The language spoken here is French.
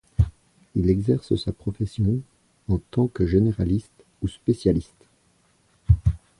Il exerce sa profession en tant que généraliste ou spécialiste.